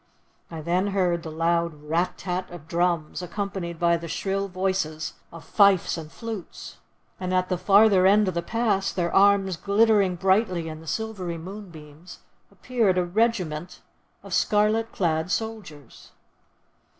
I then heard the loud rat tat of drums, accompanied by the shrill voices of fifes and flutes, and at the farther end of the Pass, their arms glittering brightly in the silvery moonbeams, appeared a regiment of scarlet clad soldiers.